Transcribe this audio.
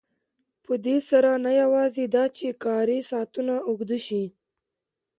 په دې سره نه یوازې دا چې کاري ساعتونه اوږده شي